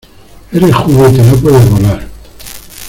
¡ Eres juguete! ¡ no puedes volar !